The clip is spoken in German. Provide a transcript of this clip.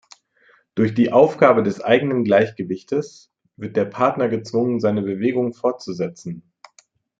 Durch die Aufgabe des eigenen Gleichgewichtes wird der Partner gezwungen, seine Bewegung fortzusetzen.